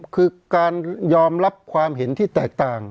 คือการยอมรับความเห็นที่แตกต่าง